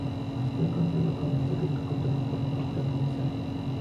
Fue "construido como un centro cultural para los habitantes de Seúl.